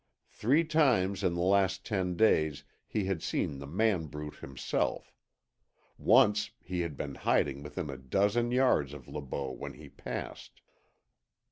Three times in the last ten days he had seen the man brute himself. Once he had been hiding within a dozen yards of Le Beau when he passed.